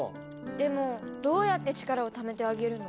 でもどうやって力をためてあげるの？